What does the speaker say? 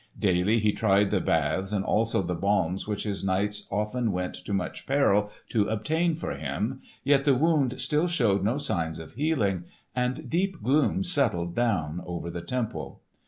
Daily he tried the baths and also the balms which his knights often went to much peril to obtain for him; yet the wound still showed no signs of healing, and deep gloom settled down over the temple.